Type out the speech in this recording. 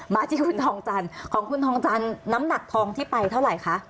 มาที่คุณทองจันทร์ของคุณทองจันทร์น้ำหนักทองที่ไปเท่าไหร่คะ